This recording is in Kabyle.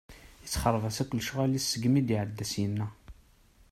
Isexreb-as akk lecɣal-is seg mi d-iɛedda syenna.